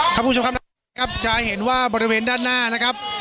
คุณผู้ชมครับจะเห็นว่าบริเวณด้านหน้านะครับ